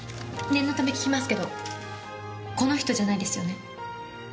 念のため訊きますけどこの人じゃないですよね？